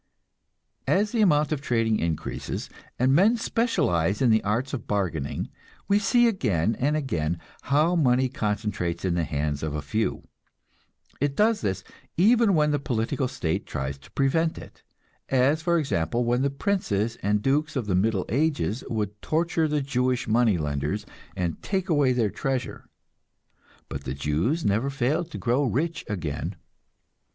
As the amount of trading increases, and men specialize in the arts of bargaining, we see again and again how money concentrates in the hands of a few. It does this, even when the political state tries to prevent it; as, for example, when the princes and dukes of the Middle Ages would torture the Jewish money lenders and take away their treasure, but the Jews never failed to grow rich again.